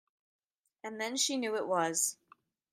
And then she knew it was.